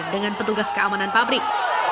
dengan petugas keamanan pabrik